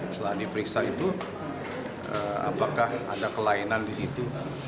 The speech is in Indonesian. setelah diperiksa itu apakah ada kelainan di situ